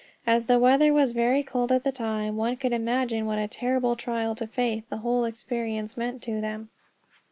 As the weather was very cold at the time, one could imagine what a terrible trial to faith the whole experience meant to them.